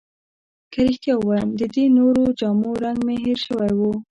که رښتیا ووایم، د دې نورو جامو رنګ مې هیر شوی وو.